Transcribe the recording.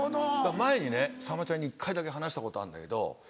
前にねさんまちゃんに１回だけ話したことあるんだけど。